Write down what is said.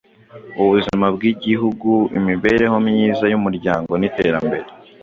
ubuzima bw’Igihugu, imibereho myiza y’umuryango n’iterambere.